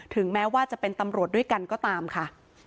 แม้ว่าจะเป็นตำรวจด้วยกันก็ตามค่ะ